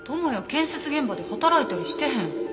建設現場で働いたりしてへん。